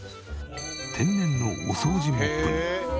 天然のお掃除モップに。